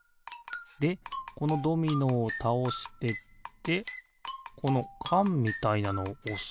でこのドミノをたおしてってこのかんみたいなのをおすってことか。